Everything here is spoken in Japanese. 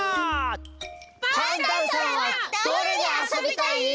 パンタンさんはどれであそびたい！？